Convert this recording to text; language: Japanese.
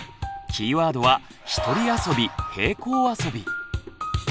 キーワードは「ひとり遊び平行遊び」。